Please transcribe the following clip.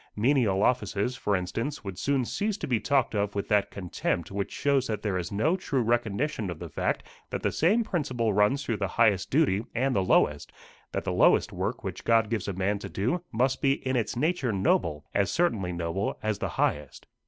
Menial offices, for instance, would soon cease to be talked of with that contempt which shows that there is no true recognition of the fact that the same principle runs through the highest duty and the lowest that the lowest work which God gives a man to do must be in its nature noble, as certainly noble as the highest.